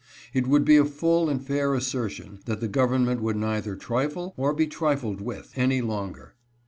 It would be a full and fair assertion that the government would neither trifle, or be trifled with, any longer.